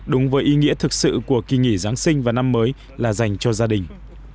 đúng với ý nghĩa thực sự của kỳ nghỉ giáng sinh và năm mới là dành cho gia đình